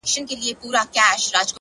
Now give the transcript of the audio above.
د څڼور سندرې چي په زړه کي اوسي”